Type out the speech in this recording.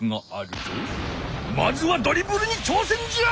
まずはドリブルに挑戦じゃ！